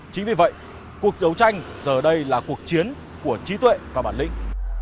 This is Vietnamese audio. chính vì vậy cuộc đấu tranh giờ đây là cuộc chiến của trí tuệ và bản lĩnh